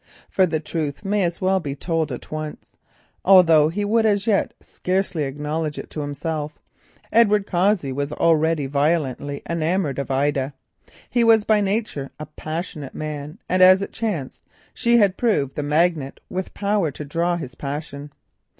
For the truth may as well be told at once, although he would as yet scarcely acknowledge it to himself, Edward Cossey was already violently enamoured of Ida. He was by nature a passionate man, and as it chanced she had proved the magnet with power to draw his passion.